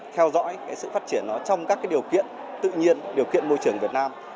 theo dõi sự phát triển nó trong các điều kiện tự nhiên điều kiện môi trường việt nam